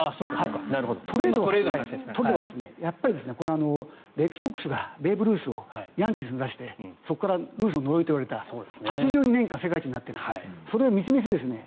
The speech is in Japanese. トレードはレッドソックスがベイブ・ルースをヤンキースに出してそこからルースの呪いと言われた８２年間世界一になっていない。